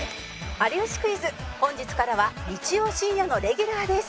『有吉クイズ』本日からは日曜深夜のレギュラーです